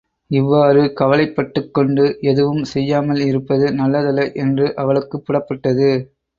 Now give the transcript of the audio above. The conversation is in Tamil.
இவ்வாறு கவலைப்பட்டுக்கொண்டு எதுவும் செய்யாமல் இருப்பது நல்லதல்ல என்று அவளுக்குப் புலப்பட்டது.